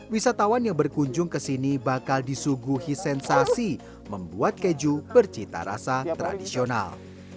wisatawan yang berkunjung ke sini bakal disuguhi sensasi membuat keju bercita rasa tradisional